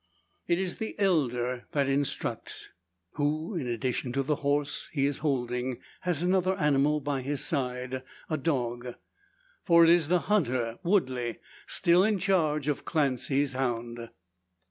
It is the elder that instructs; who, in addition to the horse he is holding, has another animal by his side a dog. For it is the hunter, Woodley, still in charge of Clancy's hound.